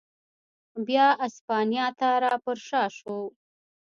بیا اسپانیا ته را پرشا شو.